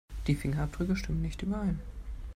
Die Fingerabdrücke stimmen nicht überein.